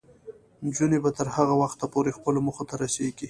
نجونې به تر هغه وخته پورې خپلو موخو ته رسیږي.